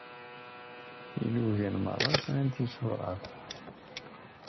Ilugan merra sɛan tisuraf.